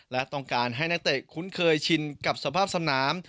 และต้องการให้นักเตะคุ้นเคยชินกับสภาพสนาม